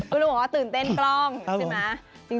คุณลุงบอกว่าตื่นเต้นกล้องใช่ไหม